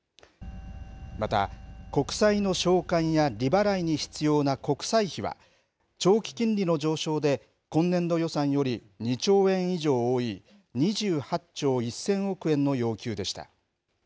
また、国債の償還や利払いに必要な国債費は、長期金利の上昇で今年度予算より２兆円以上多い、２８兆１０００億円の要求でした。